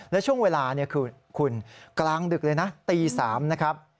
และช่วงเวลาคือคุณกลางดึกเลยนะตี๓นะครับ